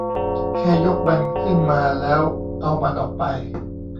แค่ยกมันขึ้นมาแล้วเอามันออกไป